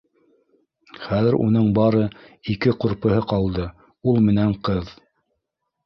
Хәҙер уның бары ике ҡурпыһы ҡалды: ул менән ҡыҙ.